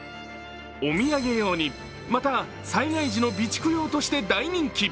お土産用に、また災害時の備蓄用として大人気。